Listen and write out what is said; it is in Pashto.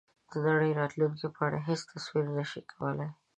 د نړۍ د راتلونکې په اړه هېڅ تصور نه شي کولای.